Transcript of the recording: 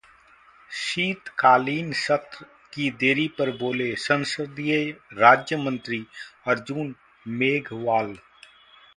शीतकालीन सत्र की देरी पर बोले संसदीय राज्यमंत्री अर्जुन मेघवाल